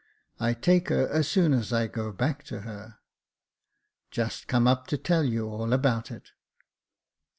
I take her as soon as I go back to her. Just come up to tell you all about it."